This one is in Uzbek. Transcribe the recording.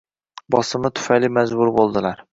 bosimi tufayli majbur bo‘ldilar.